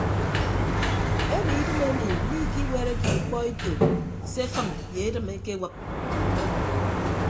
Emi idịm emi miikiwereke ikpọ eto se afịm ye edịm ekewịp.